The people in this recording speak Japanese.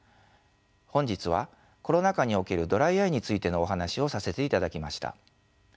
本日はコロナ禍におけるドライアイについてのお話をさせていただきました。